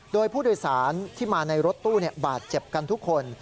โดยผู้โดยสารที่มาในรถตู้บาดเจ็บกันทุกคน